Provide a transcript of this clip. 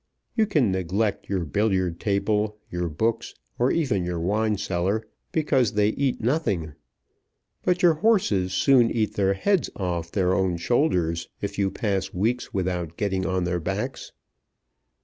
You can neglect your billiard table, your books, or even your wine cellar, because they eat nothing. But your horses soon eat their heads off their own shoulders if you pass weeks without getting on their backs.